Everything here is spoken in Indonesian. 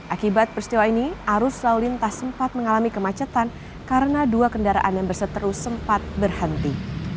akibat peristiwa ini arus lalu lintas sempat mengalami kemacetan karena dua kendaraan yang berseteru sempat berhenti